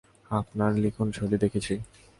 আপনার লিখনশৈলি দেখেছি!